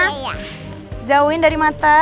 iya jauhin dari mata